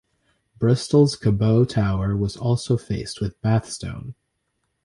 Bristol's Cabot Tower was also faced with Bath Stone.